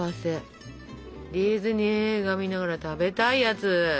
ディズニー映画見ながら食べたいやつ。